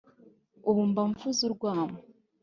Ubu mba mvuza urwamo